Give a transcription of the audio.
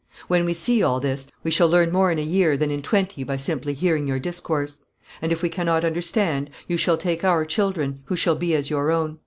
When we see all this we shall learn more in a year than in twenty by simply hearing your discourse; and if we cannot understand, you shall take our children, who shall be as your own.